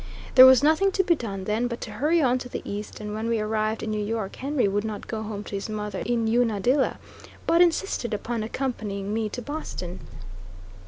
There was nothing to be done, then, but to hurry on to the east, and when we arrived in New York Henry would not go home to his mother in Unadilla, but insisted upon accompanying me to Boston.